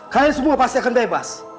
kalian semua pasti akan bebas